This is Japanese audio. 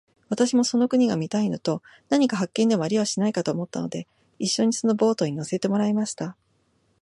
私もその国が見たいのと、何か発見でもありはしないかと思ったので、一しょにそのボートに乗せてもらいました。